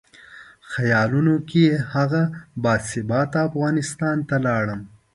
خیالونو کې هغه باثباته افغانستان ته لاړم.